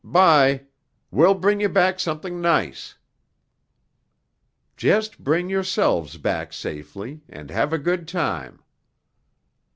"'Bye. We'll bring you back something nice." "Just bring yourselves back safely, and have a good time."